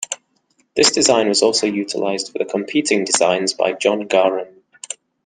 This design was also utilized for the competing designs by John Garand.